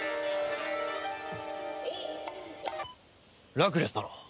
ラクレス殿。